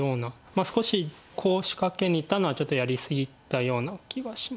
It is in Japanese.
少しコウを仕掛けにいったのはちょっとやり過ぎたような気がします。